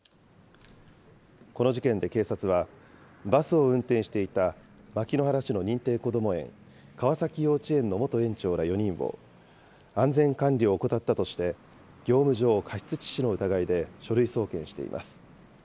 この事件で警察は、バスを運転していた牧之原市の認定こども園、川崎幼稚園の元園長ら４人を、安全管理を怠ったとして、業務上過失致死の疑いで書類送検しています。